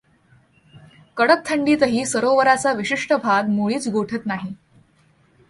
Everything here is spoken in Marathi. कडक थंडीतही सरोवराचा विशिष्ट भाग मुळीच गोठत नाही.